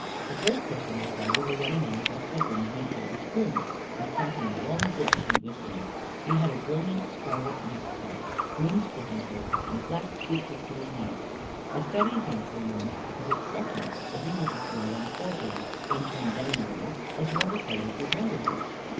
The first person I saw was a young man dressed like one of my father's grooms, and cracking a long whip and whistling. He had a brilliant scarlet neckcloth, green sporting coat, and black boots up to his knees. I studied him for a moment because it struck me that he would look well in a foreground, when toned down a little, as water colours would render him.